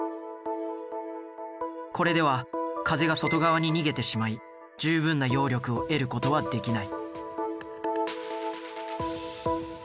これでは風が外側に逃げてしまい十分な揚力を得ることはできない。